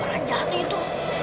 orang jahatnya itu